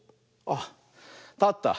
あったった。